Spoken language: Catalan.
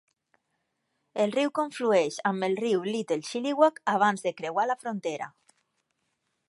El riu conflueix amb el riu Little Chilliwack abans de creuar la frontera.